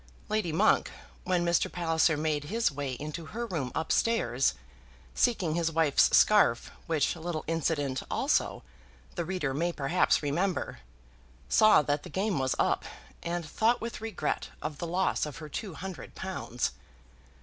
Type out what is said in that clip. Lady Monk, when Mr. Palliser made his way into her room up stairs, seeking his wife's scarf, which little incident, also, the reader may perhaps remember, saw that the game was up, and thought with regret of the loss of her two hundred pounds.